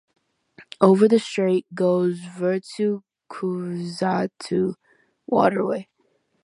Over the strait goes Virtsu–Kuivastu waterway.